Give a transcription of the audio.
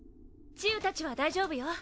チウたちは大丈夫よ。